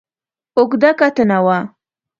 اوږده کتنه وه.